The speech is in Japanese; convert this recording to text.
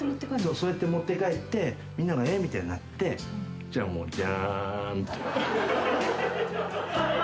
そうやって持って帰ってみんなが「えっ？」みたいになってそしたらもうじゃんって。